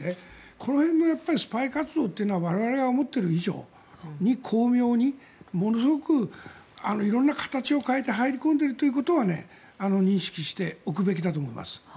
この辺もスパイ活動というのは我々が思っている以上に巧妙に、ものすごく色んな形を変えて入り込んでいるということは認識しておくべきだと思います。